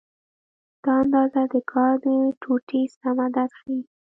دا اندازه د کار د ټوټې سم عدد ښیي.